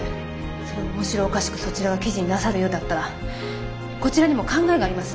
それを面白おかしくそちらが記事になさるようだったらこちらにも考えがあります。